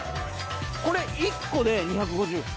これ１個で２５０円？